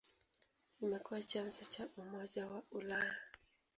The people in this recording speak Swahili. Imekuwa chanzo cha Umoja wa Ulaya.